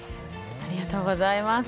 ありがとうございます。